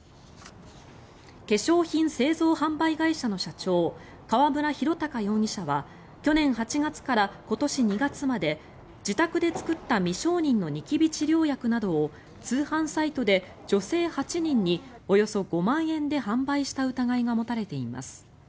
化粧品製造販売会社の社長河村弘隆容疑者は去年８月から今年２月まで自宅で作った未承認のニキビ治療薬などを通販サイトで女性８人におよそ５万円で販売した疑いが持たれています。